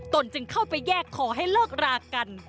ตนจึงเข้าไปแยกขอให้เลิกรากัน